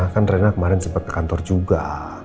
kan rena kemarin sempat ke kantor juga